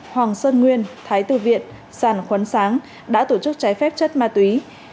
hoàng sơn nguyên thái tự viện sản khuấn sáng đã tổ chức trái phép chất ma túy